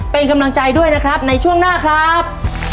เป็นกำลังใจด้วยนะครับในช่วงหน้าครับ